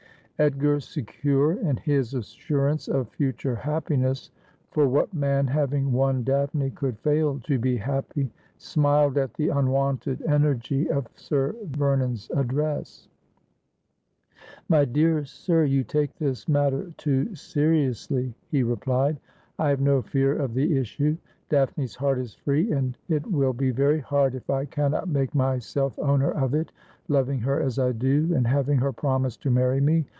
Edgar, secure in his assurance of future happiness — for what man, having won Daphne, could fail to be happy ?— smiled at the unwonted energy of Sir Vernon's address. ' My dear sir, you take this matter too seriously,' he replied. ' For I wol gladly yeldeii Hire my Place' 241 ' I have no fear of the issue. Daphne's heart is free, and it will be very hard if I cannot make myself owner of it, loving her as I do, and having her promise to marry me.